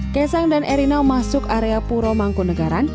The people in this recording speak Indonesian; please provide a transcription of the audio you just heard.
kesan dan erina masuk area puromanggunegaran